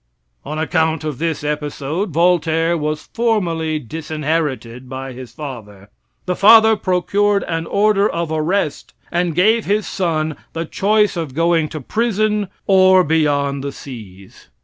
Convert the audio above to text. On account of this episode Voltaire was formally disinherited by his father. The father procured an order of arrest and gave his son the choice of going to prison or beyond the seas.